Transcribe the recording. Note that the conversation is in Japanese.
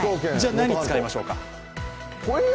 何に使いましょうか。